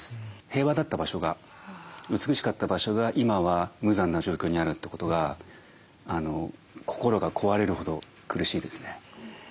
平和だった場所が美しかった場所が今は無残な状況にあるってことが心が壊れるほど苦しいですね。